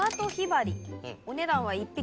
お値段は１匹。